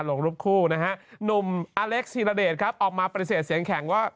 ลงรูปคู่นะฮะหนุ่มอเล็กซีรเดชครับออกมาปฏิเสธเสียงแข็งว่า